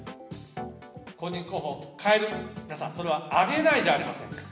公認候補を替える、皆さん、それはありえないじゃありませんか。